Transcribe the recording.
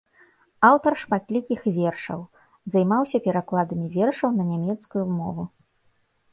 Аўтар шматлікіх вершаў, займаўся перакладамі вершаў на нямецкую мову.